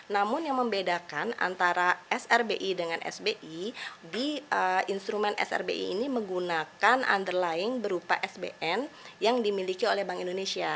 namun yang membedakan antara srbi dengan sbi di instrumen srbi ini menggunakan underlying berupa sbn yang dimiliki oleh bank indonesia